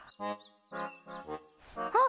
あっ！